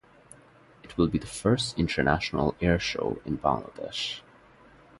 It will be the first international air show in Bangladesh.